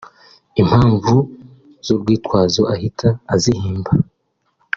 impamvu z’urwitwazo ahita azihimba